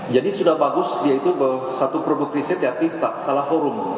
jadi sudah bagus dia itu satu produk riset tapi salah horum